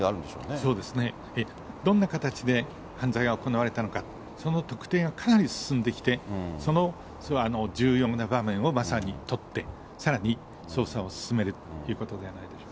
そうですね、どんな形で犯罪が行われたのか、その特定がかなり進んできて、その重要な場面をまさに撮って、さらに捜査を進めるということではないかと思います。